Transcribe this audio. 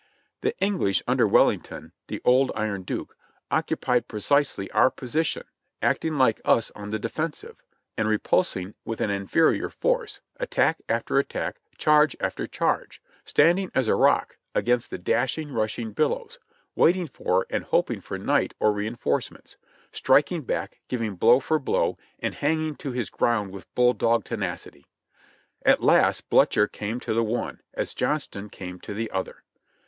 The English under Wellington, the Old Iron Duke, occupied precisely our position, acting like us on the defensive, and repulsing with an inferior force, attack after attack, charge after charge; standing as a rock against the dashing, rushing bil lows, waiting for and hoping for night or reinforcements; strik ing back, giving blow for blow, and hanging to his ground with bulldog tenacity. At last Blucher came to the one, as Johnston came to the other.